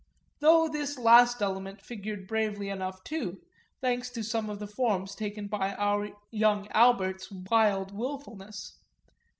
though this last element figured bravely enough too, thanks to some of the forms taken by our young Albert's wild wilfulness.